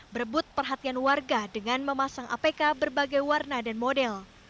berebut perhatian warga dengan memasang apk berbagai warna dan model